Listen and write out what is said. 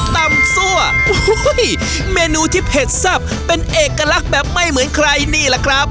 ซั่วเมนูที่เผ็ดแซ่บเป็นเอกลักษณ์แบบไม่เหมือนใครนี่แหละครับ